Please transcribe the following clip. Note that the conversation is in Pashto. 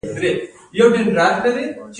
د اوبو د سطحې د ټیټیدو لامل څه دی؟